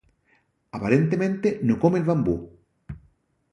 Aparentemente no come el bambú.